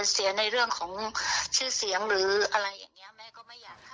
เสียในเรื่องของชื่อเสียงหรืออะไรอย่างนี้แม่ก็ไม่อยากให้